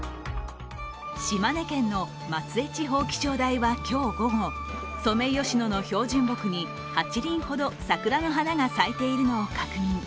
島根県の松江地方気象台は今日午後、ソメイヨシノの標準木に８輪ほど桜の花が咲いているのを確認。